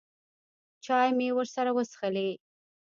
چای مې ورسره وڅښلې.